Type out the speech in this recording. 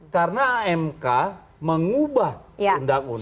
karena amk mengubah undang undang